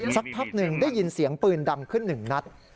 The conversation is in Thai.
สักพักหนึ่งได้ยินเสียงปืนดังขึ้นหนึ่งนัด